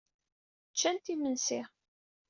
Ččant imensi.